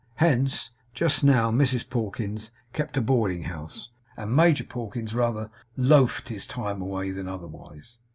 Hence, just now Mrs Pawkins kept a boarding house, and Major Pawkins rather 'loafed' his time away than otherwise.